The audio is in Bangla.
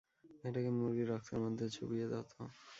এটাকে মুরগির রক্তের মধ্যে চুবিয়ে দাও তো।